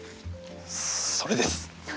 それです！